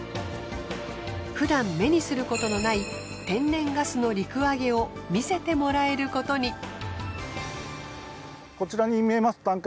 ふだん目にすることのない天然ガスの陸揚げを見せてもらえることに。